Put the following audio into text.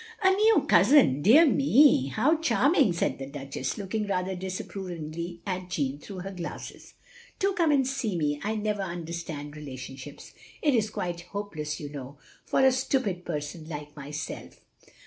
"A new cousin, dear me, how charming!" said the Duchess, looking rather disapprovingly at Jeanne through her glasses. "Do come and see me. I never understand relationships. It is quite hopeless, you know, for a stupid person like myself.